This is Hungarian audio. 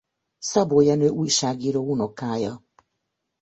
Szabó Jenő újságíró unokája.